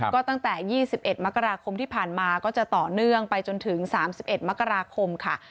ก็ตั้งแต่๒๑มกราคมที่ผ่านมาก็จะต่อเนื่องไปจนถึง๓๑มกราคมค่ะ